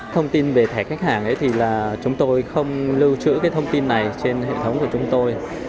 thông tin về thẻ khách hàng thì là chúng tôi không lưu trữ cái thông tin này trên hệ thống của chúng tôi